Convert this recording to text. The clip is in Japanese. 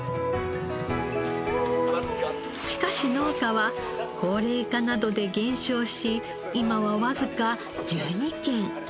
しかし農家は高齢化などで減少し今はわずか１２軒。